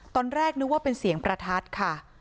ตอนแรกนึกว่าเป็นเสียงประทัดค่ะ